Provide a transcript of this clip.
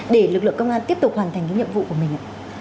để lực lượng công an tiếp tục hoàn thành cái nhiệm vụ của mình